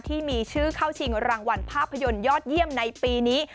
ที่มีชื่อเข้าชิงรางวัลภาพยนตร์ยอดเยี่ยมในปีนี้